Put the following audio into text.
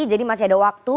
jadi masih ada waktu